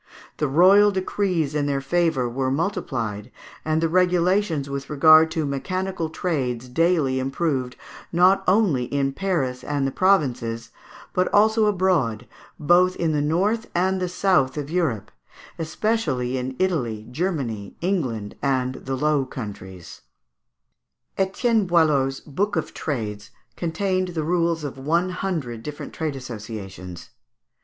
The royal decrees in their favour were multiplied, and the regulations with regard to mechanical trades daily improved, not only in Paris and in the provinces, and also abroad, both in the south and in the north of Europe, especially in Italy, Germany, England, and the Low Countries (Figs. 205 to 213). Etienne Boileau's "Book of Trades" contained the rules of one hundred different trade associations.